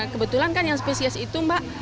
kebetulan kan yang spesies itu mbak